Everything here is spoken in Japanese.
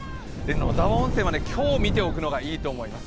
野沢温泉は今日見ておくのがいいと思います。